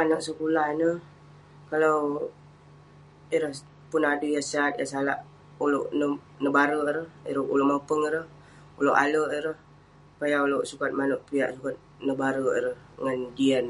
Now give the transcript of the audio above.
Anag sekulah ineh, kalau ireh pun adui yah sat, yah salak..ulouk nebarek ireh, ulouk mopeng ireh, ulouk alek ireh..supaya ulouk sukat manouk piak, sukat nebarek ireh ngan jian..